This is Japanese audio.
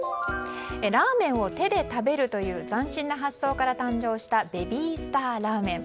ラーメンを手で食べるという斬新な発想から誕生したベビースターラーメン。